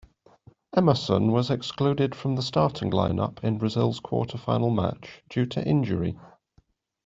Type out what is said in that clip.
Emerson was excluded from the starting line-up in Brazil's quarter-final match due to injury.